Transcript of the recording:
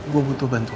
gue butuh bantu lo